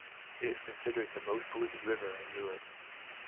It is considered the most polluted river in Europe.